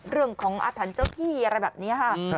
เรื่องของอาถรรพ์เจ้าที่อะไรแบบนี้ค่ะ